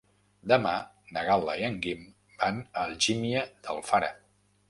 Demà na Gal·la i en Guim van a Algímia d'Alfara.